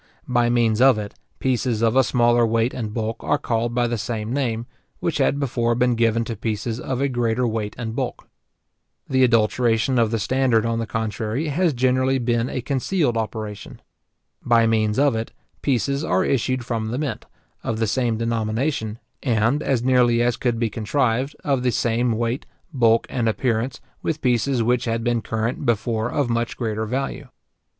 By means of it, pieces of a smaller weight and bulk are called by the same name, which had before been given to pieces of a greater weight and bulk. The adulteration of the standard, on the contrary, has generally been a concealed operation. By means of it, pieces are issued from the mint, of the same denomination, and, as nearly as could be contrived, of the same weight, bulk, and appearance, with pieces which had been current before of much greater value.